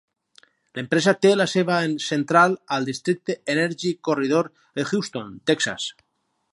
L'empresa té la seva seu central al districte Energy Corridor de Houston, Texas.